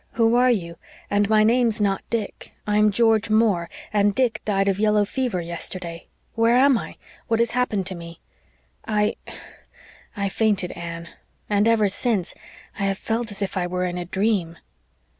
Who are you? And my name is not Dick. I am George Moore, and Dick died of yellow fever yesterday! Where am I? What has happened to me?' I I fainted, Anne. And ever since I have felt as if I were in a dream."